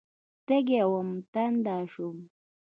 تږې ومه، تنده شوم